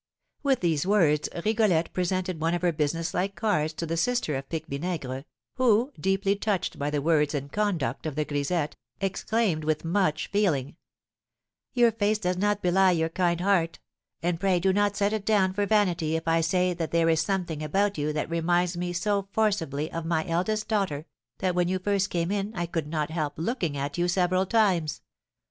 With these words Rigolette presented one of her businesslike cards to the sister of Pique Vinaigre, who, deeply touched by the words and conduct of the grisette, exclaimed with much feeling: "Your face does not belie your kind heart; and pray do not set it down for vanity if I say that there is something about you that reminds me so forcibly of my eldest daughter that when you first came in I could not help looking at you several times.